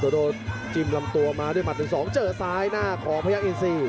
โดโดจิ้มลำตัวมาด้วยมัดหนึ่งสองเจอซ้ายหน้าขอพยักษ์อีทซี